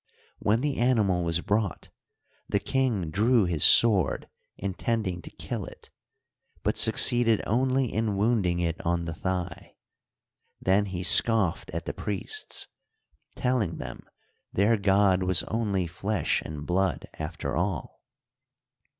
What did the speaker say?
When the animal was brought, the king drew his sword, intending to kjll it, but succeeded only in wounding it on the thigh. Then he scoffed at the priests, telling them their ^od was only flesh and blood, after all.